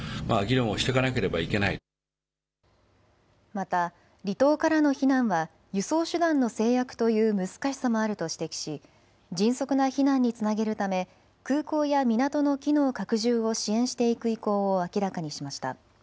また離島からの避難は輸送手段の制約という難しさもあると指摘し迅速な避難につなげるため空港や港の機能拡充を支援していく意向を明らかにしました。